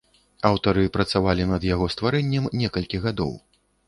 Аўтары працавалі над яго стварэннем некалькі гадоў.